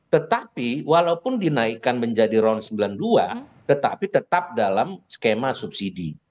tetapi walaupun dinaikkan menjadi ron sembilan puluh dua tetapi tetap dalam skema subsidi